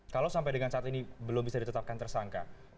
kalau sampai dengan saat ini belum bisa ditetapkan tersangka